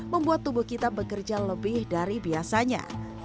membuat tubuh kita bekerja lebih dari biasanya